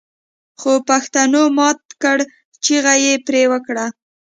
خوپښتنو مات کړ چيغه يې پرې وکړه